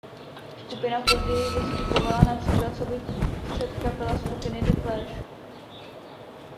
Skupina později vystupovala například coby předkapela skupiny The Clash.